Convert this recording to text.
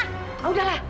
uang saya udah lah